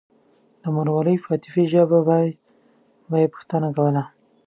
د مورولۍ په عاطفي ژبه به يې پوښتنه کوله.